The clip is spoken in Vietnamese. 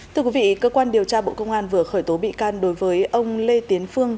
thưa quý vị cơ quan điều tra bộ công an vừa khởi tố bị can đối với ông lê tiến phương